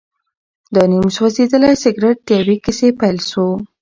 دا نیم سوځېدلی سګرټ د یوې کیسې پیل و.